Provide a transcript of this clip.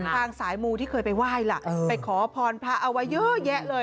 ทางสายมูที่เคยไปไหว้ล่ะไปขอพรพระเอาไว้เยอะแยะเลย